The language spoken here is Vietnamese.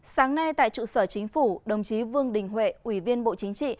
sáng nay tại trụ sở chính phủ đồng chí vương đình huệ ủy viên bộ chính trị